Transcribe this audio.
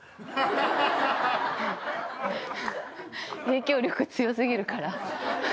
影響力強すぎるから。